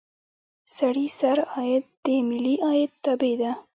سړي سر عاید د ملي عاید تابع ده.